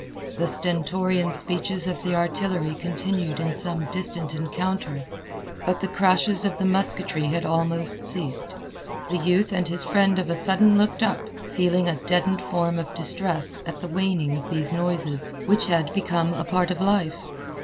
The stentorian speeches of the artillery continued in some distant encounter, but the crashes of the musketry had almost ceased. The youth and his friend of a sudden looked up, feeling a deadened form of distress at the waning of these noises, which had become a part of life.